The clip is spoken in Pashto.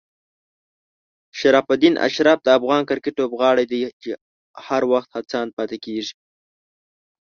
شرف الدین اشرف د افغان کرکټ لوبغاړی دی چې هر وخت هڅاند پاتې کېږي.